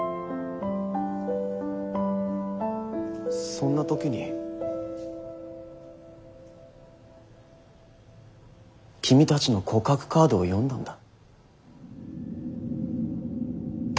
そんな時に君たちの告白カードを読んだんだ。